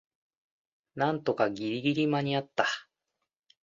なんとかギリギリ間にあった